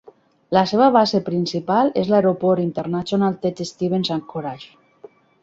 La seva base principal és l'aeroport internacional Ted Stevens Anchorage.